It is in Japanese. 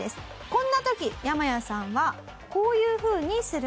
こんな時ヤマヤさんはこういうふうにするんです。